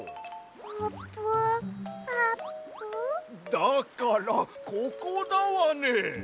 だからここだわね！